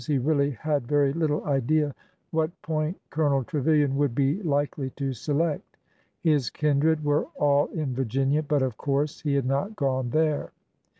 He really had very little idea what point Colonel Trevilian would be likely to select. His kindred were all in Virginia, but of course he had not gone there.